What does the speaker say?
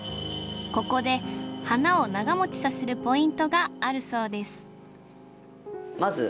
ここで花を長もちさせるポイントがあるそうです